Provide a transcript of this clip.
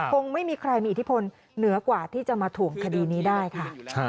คงไม่มีใครมีอิทธิพลเหนือกว่าที่จะมาถ่วงคดีนี้ได้ค่ะ